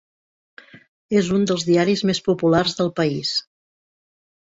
És un dels diaris més populars del país.